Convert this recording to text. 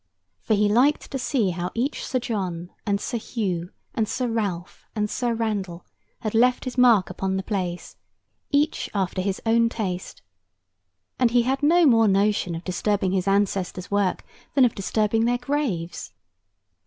For he liked to see how each Sir John, and Sir Hugh, and Sir Ralph, and Sir Randal, had left his mark upon the place, each after his own taste; and he had no more notion of disturbing his ancestors' work than of disturbing their graves.